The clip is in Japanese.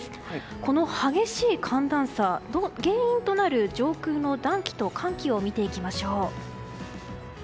この激しい寒暖差の原因となる上空の寒気と暖気を見ていきます。